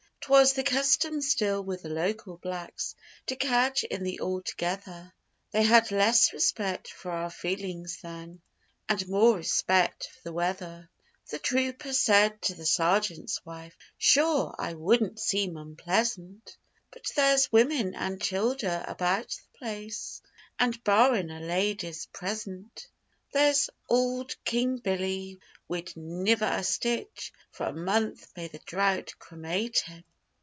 'Twas the custom still with the local blacks To cadge in the 'altogether' They had less respect for our feelings then, And more respect for the weather. The trooper said to the sergeant's wife: 'Sure, I wouldn't seem unpleasant; But there's women and childer about the place, And barrin' a lady's present 'There's ould King Billy wid niver a stitch For a month may the drought cremate him!